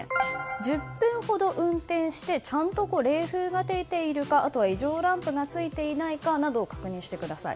１０分ほど運転してちゃんと冷風が出ているかあとは異常ランプがついていないかなどを確認してください。